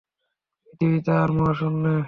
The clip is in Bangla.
পৃথিবীতে আর মহাশূন্যে।